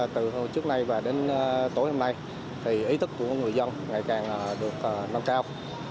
từ hôm trước nay và đến tối hôm nay thì ý thức của người dân ngày càng được nâng cao